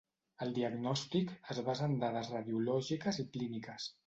El diagnòstic es basa en dades radiològiques i clíniques.